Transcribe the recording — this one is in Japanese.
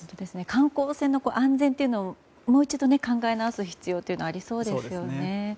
観光船の安全をもう一度考えなおす必要がありそうですよね。